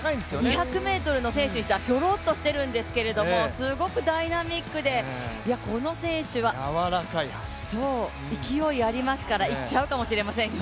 ２００ｍの選手にしては、ひょろっとしているんですけれども、すごくダイナミックでこの選手は勢いありますからいっちゃうかもしれませんよ。